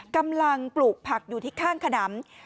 กำลังปลูกผักอยู่ที่ข้างขนำ